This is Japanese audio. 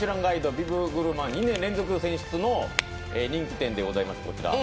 ビブグルマン２年連続選出の人気店でございます